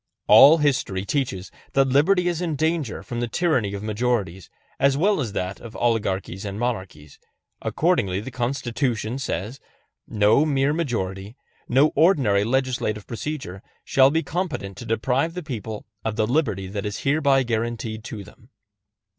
All history teaches that liberty is in danger from the tyranny of majorities as well as from that of oligarchies and monarchies; accordingly the Constitution says: No mere majority, no ordinary legislative procedure, shall be competent to deprive the people of the liberty that is hereby guaranteed to them.